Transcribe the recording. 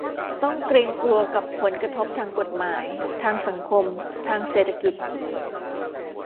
ต้องเกรงกลัวกับผลกระทบทางกฎหมาย ทางสังคม ทางเศรษฐกิจ